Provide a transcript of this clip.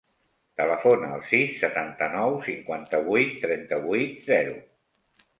Telefona al sis, setanta-nou, cinquanta-vuit, trenta-vuit, zero.